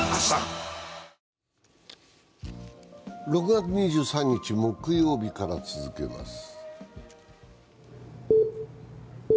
６月２３日木曜日から続けます